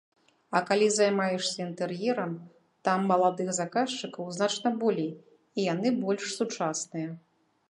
А калі займаешся інтэр'ерам, там маладых заказчыкаў значна болей і яны больш сучасныя.